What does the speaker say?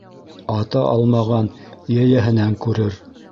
Ата алмаған йәйәһенән күрер.